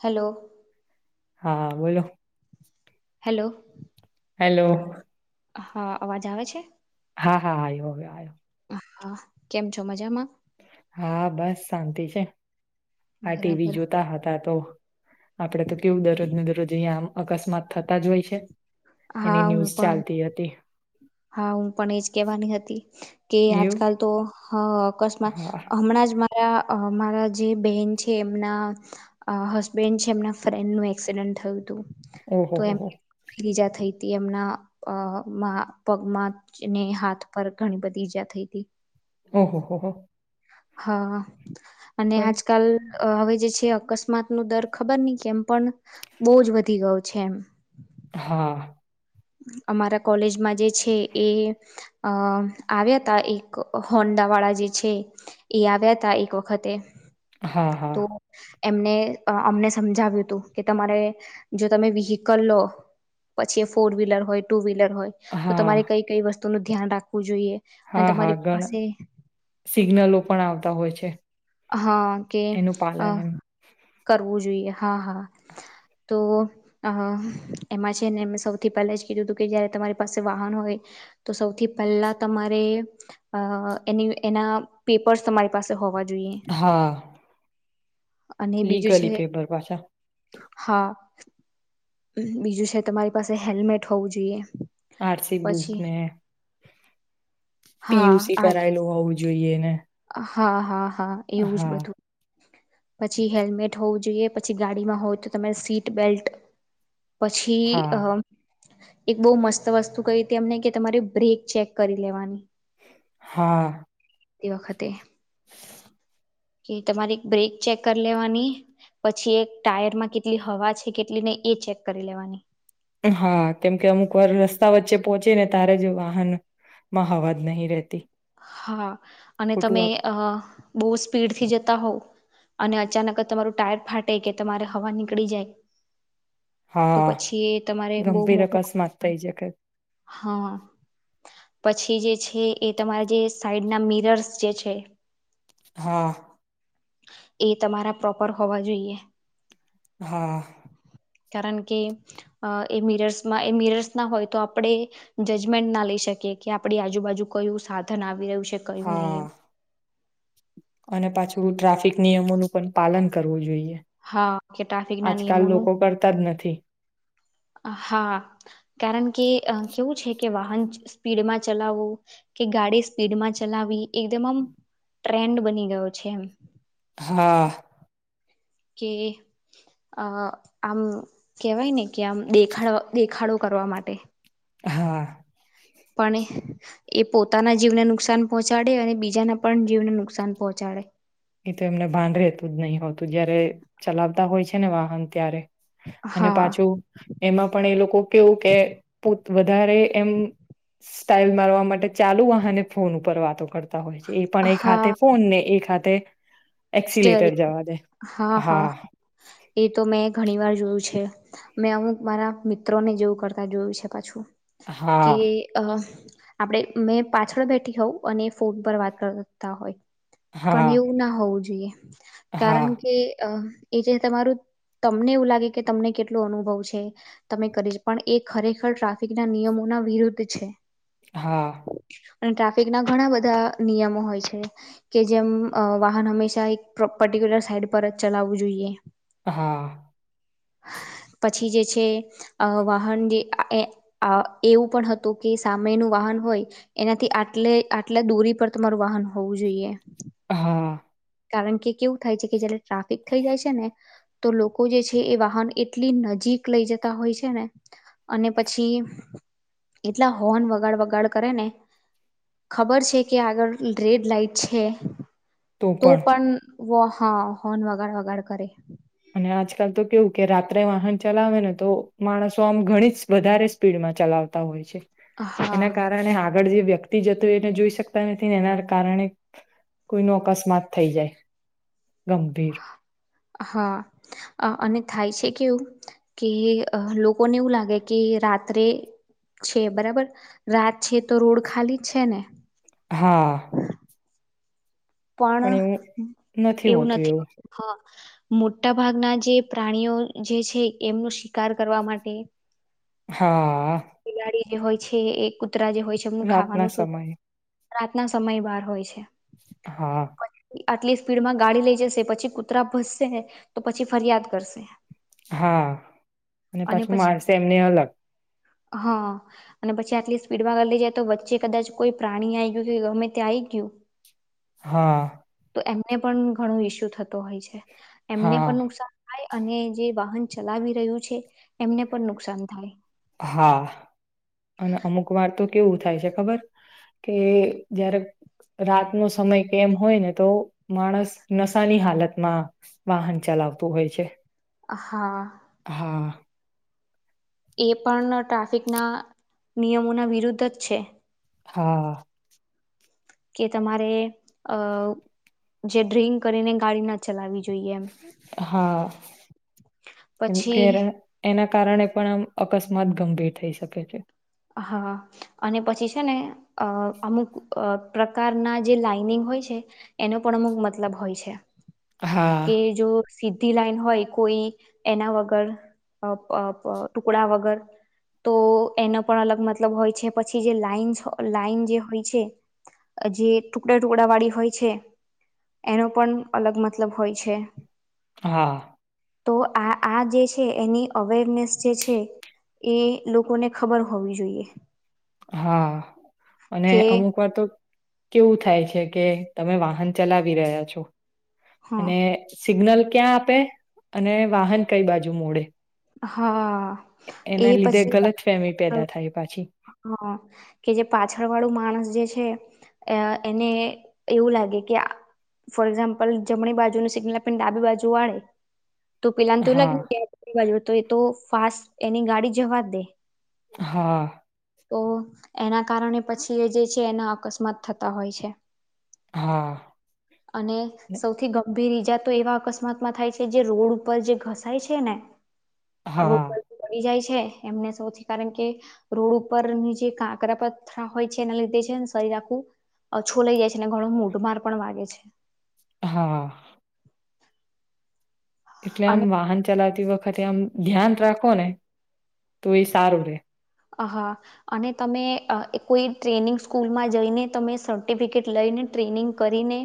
Hello. હાં બોલો. Hello. Hello. હા, અવાજ આવે છે? હા હા આયવો અઆય હા, કેમ છો મજામાં? હા, બસ શાંતિ છે. આ ટી વી બરાબર જોતા હતા તો આપડે તો કેવું દરજ ન દર રોજ અઈયામ અકસ્માત થતા જ હોય છે હા એની હું ન્યૂઝ પણ ચાલતી અતી. હા ઉં પણ એજ કેવાની હતી કે એવું આજકાલ તો હં અ કસ્માત હા હમણાં જ મા રા હ મારા જે બેન છે એમના હસબેન્ડ છે એમ ફ્રેન્ડનું એક્સિડન્ટ થયું તુ. ઓહો તો હો હો એમની પીલીજા થઈ તી એમના અ મા પગમાં છેને હાથ પર ઘણી બધી ઈજા થઈ તી. ઓહ હોહ. હા. અને આજકાલ હવે જે છે અકસ્માત ન દર ખબર નહી કે એમ પણ, બહુ જ વધી ગયો છે એમ. હા. અમારા કોલેજમાં જે છે એ, અ આવ્યા હતા એક હોન્ડા વાળા જે છે એ આવ્યા હતા એક વખતે. હા હા. તો એમને અમને સમજાવ્યું હતું, કે તમારે જો તમે વિહીકલ લો પછી ફોર્હીલર હો ટુહીલર હોય, તો હા તમારી કઈ કઈ વસ્તુ નું ધ્યાન રાખવું જોઈએ અને હા હા તમારી પાસે ઘણા સિગ્નલો પણ આવતા હોય છે, હા કે એનું અ પાલન એમ. કરવું જોઈએ હા હા, તો અ એમાં છે ને એ સૌથી સૌથી પહેલા જ કીધું હતું કે જયારે તમારી પાસે વાહન હોય, તો સૌથી પહેલા તમારે એ એના પેપર્સ તમારી પાસે હોવા જોઈએ હા. અને બીજું છે લીગલી પેપર પાછા. હા. બીજું છે તમારી પાસે હેલ્મેટ હોવું જોઈએ. આરસી બુક પછી ને હા પીયુસી આ કરાયેલું હોવું જોઈએ ને હા હા હા એવું જ હા બધું પછી હેલ્મેટ હોવું જોઈએ પછી ગાડીમાં હોય તો તમારે સીટ બેલ્ટ પછી હા અ એક બહુ મસ્ત વસ્તુ કઈ હતી અમને કે તમારી બ્રેક ચેક કરી લેવાની હા વધતી વખતે કે તમારી બ્રેક ચેક કરી લેવાની પછી એક ટાયરમાં કેટલી હવા છે કેટલી નહી એ ચેક કરી લેવાની હા કેમકે અમુક વાર રસ્તા વચ્ચે પોહોંચી ને તારે જ વાહનમાં હવાજ નહીિ રહેતી હા અને ખોટું તમે આપ અ બહ સ્પીડ થી જતા હોવ અને અચાનક જ તમારું ટાયર ફાટે કે તમારે હવા નીકળી જાય તો હા પછી એ તમારે બહુ ગંભીર મોટો અકસ્માત થઇ શકે હા પછી જે છે એ તમારા જે સાઈડ ના મિરર્સ જે છે હા એ તમારા પ્રોપર હોવા જોઈએ હા કારણ કે એ મિરર્સમાં એ મિરર્સ ના હોય તો આપણે જજમેન્ટ ના લઈ શકીએ કે આપણી આજુબાજુ કયું સાધન આવી રહ્યું છે કયું નહીં હા એમ અને પાછ થોડું ટ્રાફિક નિયમોનું પણ પાલન કરવું જોઈએ. હા કે ટ્રાફિક ના આજકાલ નિયમોનું લોકો કરતા જ નથી. હા કારણ કે કેવું છે કે વાહન સ્પીડમાં ચલાવવું કે, ગાડી સ્પીડમાં ચલાવવી, એકદમ આમ ટ્રેન્ડ બની ગયો છે એમ. હા. કે આ આમ કેહેવાય ને કે આમ દેખાડ દેખાડો કરવા માટે. હા. પણ એ પોતાના જીવને નુકસાન પહોંચાડે અને બીજાના પણ જીવને નુકસાન પહોંચાડે. એ તો એમને ભાન રેતું જ નહી હોતું જયારે ચલાવતા હોય છે ને વાહન ત્યારે. અને હા પાછું એમાં પણ એ લોકો કેવું કે વધારે એમ સ્ટાાઈલ મારવા માટે ચાલુ વાહને ફોન ઉપર વાતો કરતો હોય છે એ પણ એક હાથે ફોન ને એક હાથે સ્ટર એક્સિલેટર જવા દે હા હા, એ તો મેં ઘણી વાર જોયું છે, મેં અમુક મારા મિત્રોને જેવું કરતાં જોયું છે પાછું. કે હા આ આપડણે મેં પાછળ બેઠી હોઉં અને ફોન પર વાત કરતા હોય. હા પણ એવું ના હોવું જો ઈએ. હા કારણ કે અ એ જે તમારું તમને એવું લાગે કે તમને કેટલો અનુભવ છે, તમે કરીશ પણ એ ખરેખર ટ્રાફિક ના નિયમોના વિરુદ્ધ છે. હા. અને ટ્રાફિક ના ઘણા બધા નિયમો હોય છે, કે જેમ વાહન હંમેશા એક પર્ટિક્યુલર સાઈડ પર જ ચલાવવું જોઈએ. હા. પછી જે છે વાહન જે એવું પણ હતું કે સામેનું વાહન હોય, એનાથી આટલે આટલા દૂરી પર તમારું વાહન હોવું જોઈએ. હા. કારણ કે કેવું થાય છે કે જયારે ટ્રાફિક થઈ જાય છે ને તો લોકો જે છે એ વાહન એટલી નજીક લઈ જતા હોય છે ને અને પછી એટલા હોર્ન વગાડ વગાડ કરે ને ખબર છે કે આગળ રેડ લાઈટ છે તો પણ વો હા હોન વગાડ વગાડ કરે. અને આજકાલ તો કેવું કે રાત્રે વાહન ચલાવે ને તો માણસો આમ ઘણી જ વધારે સ્પીડમાં ચલાવતા હોય છે. હા એના કારણે હા ગળ જે વ્યક્તિ જતો એને જોઈ શકતા નથીને એના કારણે કોઈનો અકસ્માત થઈ જાય ગંભીર. હા અહ અને થાય છે કેવું કે એ લોકોને એવું લાગે કે રાત્રે છે બરાબર રાત છે તો રોડ ખાલી જ છે ને. હા. પણ એવું નથી [inaudible] હા. મોટા ભાગના જે પ્રાણીઓ જે છે એમનો શિકાર કરવા માટે હા. એ હોય છે એ કુ ત્રા જે હોય છે એમનું રાતના ખાવાનું શોધ સમયે રાતના સમય બહાર હોય છે. હા. આટલી સ્પીડમાં ગાડી લઈ જશે પછી કૂતરા ભસશે તો પછી ફરિયાદ કરશે. હા અને પાછું મારસે એમને અલગ. હા અને પછી આટલી સ્પીડમાંગળ લઈ જાય તો વચ્ચે કદાચ કોઈ પ્રાણી આઈ ગયું કે ગમે ત્યાં આઈ ગયું હા. તો એમને પણ ઘણું ઈસ્યુ થતો હોય છે. એમને હા પણ નુકસાન થાય અને જે વાહન ચલાવી રહ્યું છે એમને પણ નુકસાન થાય. હા અને અમુક વાર તો કેવું થાય છે ખબર કે જ્યારે રાતનો સમય કેમ હોય ને તો માણસ નશાની હાલતમાં વાહન ચલાવતું હોય છે. હા. હા. એ પણ ટ્રા ફિક ના નિયમોના વિરુદ્ધ જ છે. હા. કે તમારે અહ જે ડ્રિક કરીને ગાડી ના ચલાવી જો હા. કેમ કે પછી રે એના કારણે પણ આમ અકસ્માત ગંભીર થઈ શકે છે. હા અને પછી છે ને અહ અમુક અહ પ્રકારના જે લાઈનિંગ હોય છે એનો પણ અમુક મતલબ હોય છે. હા કે જો સીધી લાઈન હોય કોઈ એના વગર અહ પ પ ટુકડા વગર તો એનો પણ અલગ મતલબ હોય છે પછી જે લાઈન છો લાઈન જે હોય છે જે ટુકડા ટુકડા વાળી હોય છે એનો પન અલગ મત લબ હોય છે. હા તો આ આ જે છે એની અવેરનેસ જે છે એ લોકોને ખબર હોવી જોઈએ હા અને કે અમુક વાર તો કેવું થાય છે કે તમે વાહન ચલાવી રહ્યા છો હા અને સિગ્નલ ક્યાં આપે અને વાહન કઈ બાજુ મોડે હા એ એના લીધે પછી ગલત ફેમી પેદા થાય પાછી હા કે જે પાછળ વાળું માણસ જે છે અ એને એવું લાગે કે ફોર એક્ઝામ્પલ જમણી બાજુનું સિગ્નલ આપી ડાબી બાજુ વાળે તો પેલાને તેવું હા લાગે [inaudible] બાજુ તો એ તો ફાસ્ટ એની ગાડી જવા દે હા તો એના કારણે પછી એ જે છે એના અકસ્માત થતા હોય છે હા અને સૌથી ગંભીર ઈ બીજા તો એવા અકસ્માતમાં થાય છે જે રોડ ઉપર જે ઘસાય છે ને [inaudible] હા છે એમને સૌથી કારણ કે રોડ ઉપરની જે કાકરા પથરા હોય છે એના લીધે છેને શરીર આખું છોલાઈ જાય છે અને ઘણું મોઢમાર પણ વાગે છે હા એટલે આમ અને વાહન ચલાતી તે વખતે આમ ધ્યાન રાખો ને તો એ સારું રે અ હા અને તમે કોઈ ટ્રેનિંગ સ્કૂલમાં જઈને તમે સર્ટિફિકેટ લઈને ટ્રેનિંગ કરીને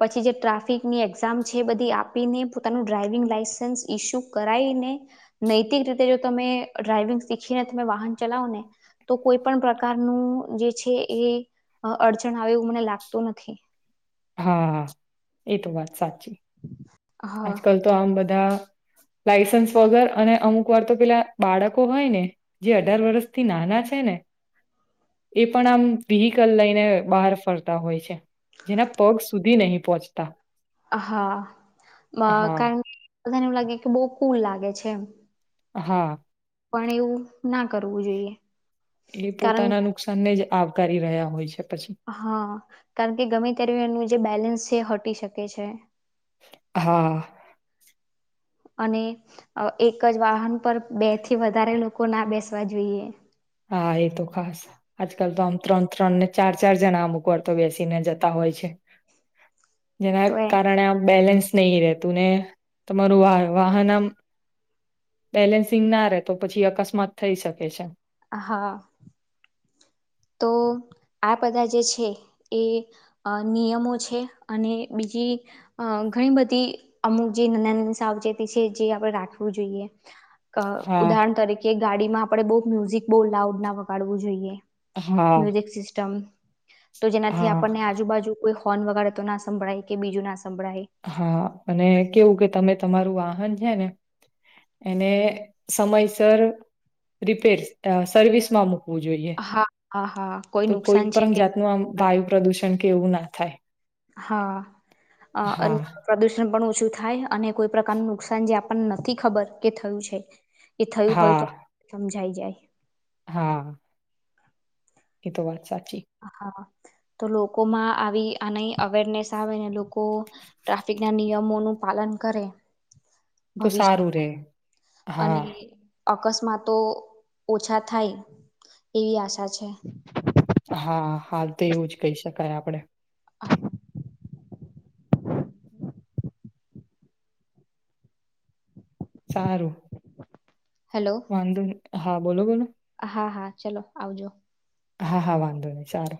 પછી જે ટ્રાફિકની એક્ઝામ છે એ બધી આપીને પોતાનું ડ્રાાઈવિંગ લાઈસન્સ ઈસ્યુ કરાઈને નૈતિક રીતે જો તમે ડ્રાાઈવિંગ શીખીને તમે વાહન ચલાવો ને તો કોઈ પણ પ્રકારનું જે છે એ અડચણ આવે એવું મને લાગતું નથી હા હા એ તો વાત સાચી હા આજકાલ તો આમ બધા. લાઈસન્સ વગર અને અમુક વાર તો પેલા બાળકો હોય ને જે અઢાર વર્ષથી નાના છે ને એ પણ આમ વ્હીકલ લઈને બહાર ફરતા હોય છે. જેના પગ સુધી. નહી પહોંચતા. હા. અ હા કારણ. બધાને એવું લાગે કે બહુ કુલ લાગે છે. હા. પણ એવું ના કરવું જોઈએ. એ કારણ પોતાના નુકસાન ને જ. આવકારી રહ્યા હોય છે. પછી હા કારણ કે ગમે ત્યારે એનું જે બેલેન્સ. જે હટી શકે છે. હા. અને એક જ વાહન પર બે થી વધારે લોકો ના બેસવા જોઈએ. હા એ તો ખાસ અજ કલ તો આમ ત્રણ ત્રણને. ચાર ચાર જણા અમુક વાર તો બેસીને જતા હોય છે. જેના તો એ કારણે આ બેલેન્સ. સ્નેહી રહેતું ને તમારું વાહન આમ. બેલેન્સિંગ ના રે તો પછી અકસ્માત થઈ શકે છે. હ હા. તો આ બધા જે છે એ નિયમો છે અને બીજી ઘણી બધી અમુક જે નાના ના સાવચેતી છે જે આપણે રાખવું જોઈએ. અ હા ઉદાહરણ તરીકે. ગાડીમાં આપણે બહઉ મ્યુઝિક બહુ લાઉડ ના વગાડવું જોઈએ. હા મ્યુઝિક સિસ્ટમ. તો જેનાથી હા આપણને આજુબાજુ. કોઈ હોર્ન વગે તો ના સંભળાય કે બીજું ના. સંભળાય હા અને કેવું કે તમે તમારું. છે ને એને સમયસર રિપેર સર્વિસ માં મૂક. ઈ હા હા હા તો કોઈ નુકસાન છે પણ કે જાતનું આમ વાયુ પ્રદુષણ. કેવું ના થાય. હા હા પ્રદષ. પણ ઓછું થાય અને કોઈ પ્રકારનું નુકસાન જે આપણને નથી ખબર કે થયું છે. એ થયું હોય હા તો સમ. જાય જાય. હા. એ તો વાત સાચી. હ હા. તો લોકોમાં આવી આની અવેરનેસ આવે ને લોકો ટ્રાફિક ના નિયમોનું પાલન કરે. તો ભવિષ્ય સારું રે હા. અને અકસ્માતો ઓછા થાય એવી આશા છે. હા હાલ તો એવું જ કહી શકાય આપડે. સારું. હેલો વંધ. હા બોલો બોલોને. હા હા. ચલો આવજો. હા હા વાંધો નહી સારો.